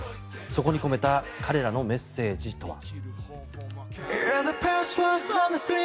そこに込めた彼らのメッセージとは。